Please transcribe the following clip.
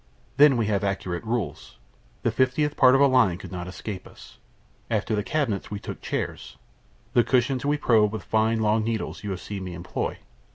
Then we have accurate rules. The fiftieth part of a line could not escape us. After the cabinets we took the chairs. The cushions we probed with the fine long needles you have seen me employ.